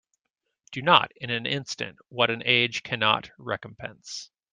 Do not in an instant what an age cannot recompense.